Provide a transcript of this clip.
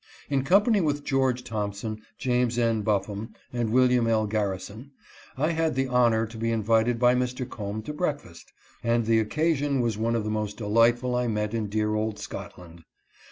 In company with George Thompson, James N. Buffum, and William L. Garrison, I had the honor to be invited by Mr. Combe to breakfast, and the occasion was one of the most delightful I met in dear old Scotland.